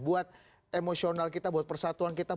buat emosional kita buat persatuan kita